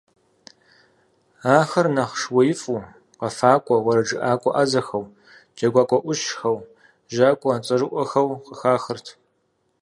Ахэр нэхъ шууеифӀу, къэфакӀуэ, уэрэджыӀакӀуэ Ӏэзэхэу, джэгуакӀуэ Ӏущхэу, жьакӀуэ цӀэрыӀуэхэу къыхахырт.